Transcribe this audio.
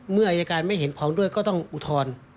เมื่ออายการไม่เห็นพร้อมด้วยก็ต้องอุทธรณ์